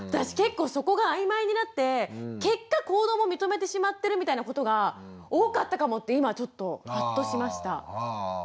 結果行動も認めてしまってるみたいなことが多かったかもって今ちょっとハッとしました。